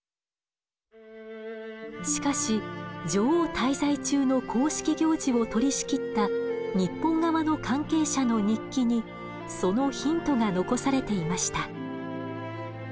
しかし女王滞在中の公式行事を取りしきった日本側の関係者の日記にそのヒントが残されていました。